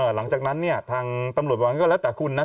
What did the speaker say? หลังจากนั้นเนี่ยทางตำรวจบอกก็แล้วแต่คุณนะ